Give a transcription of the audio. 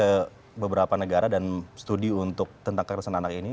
saya pernah ke beberapa negara dan study tentang kekerasan anak ini